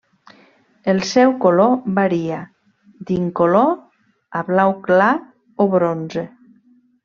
El seu color varia d'incolor a blau clar o bronze.